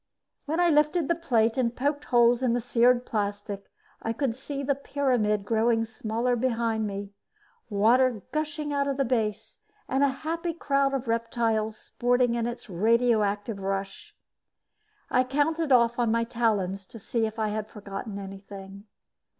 When I lifted the plate and poked holes in the seared plastic, I could see the pyramid growing smaller behind me, water gushing out of the base and a happy crowd of reptiles sporting in its radioactive rush. I counted off on my talons to see if I had forgotten anything.